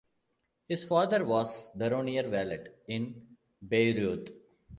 His father was baronial valet in Bayreuth.